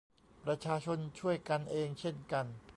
ประชาชนช่วยกันเองเช่นกัน